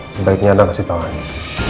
sebaiknya anda kasih tau aja